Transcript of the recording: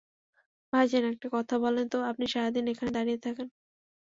ভাইজান, একটা কথা বলেন তো আপনি সারাদিন এখানে দাঁড়িয়ে থাকেন।